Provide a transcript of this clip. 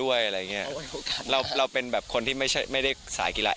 ก็เพราะว่าเราได้เข้าฉากด้วยกันตลอด